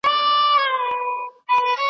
زما یې مات کړل په یوه ګوزار هډوکي .